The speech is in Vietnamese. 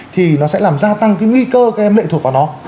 thì nó sẽ làm gia tăng cái nguy cơ các em lệ thuộc vào nó